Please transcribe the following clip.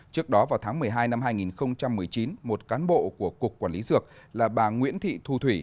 trước đó vào tháng một mươi hai năm hai nghìn một mươi chín một cán bộ của cục quản lý dược là bà nguyễn thị thu thủy